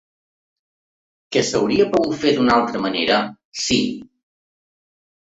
Que s’hauria pogut fer d’una altra manera, sí.